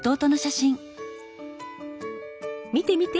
見て見て！